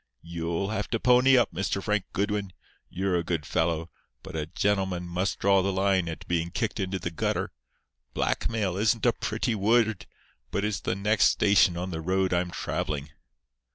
You'll have to pony up, Mr. Frank Goodwin. You're a good fellow; but a gentleman must draw the line at being kicked into the gutter. Blackmail isn't a pretty word, but it's the next station on the road I'm travelling."